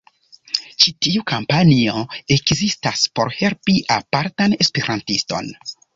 Ĉi tiu kampanjo ekzistas por helpi apartan Esperantiston